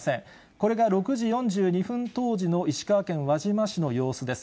これが６時４２分当時の石川県輪島市の様子です。